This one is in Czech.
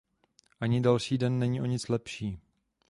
Ani další den není o nic lepší.